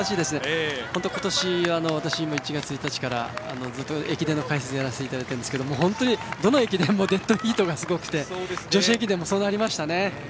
今年は私も１月１日からずっと駅伝の解説をやらせていただいているんですがどの駅伝もデッドヒートがすごくて女子駅伝もそうなりましたね。